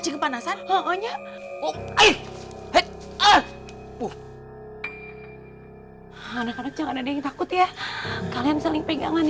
ini panasan pokoknya oh eh eh ah uh anak anak jangan ada yang takut ya kalian saling pegangan